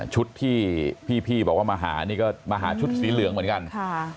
ชุดที่พี่บอกว่ามาหานี่ก็มาหาชุดสีเหลืองเหมือนกันค่ะ